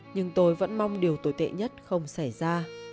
nhưng tôi vẫn mong điều tồi tệ nhất không xảy ra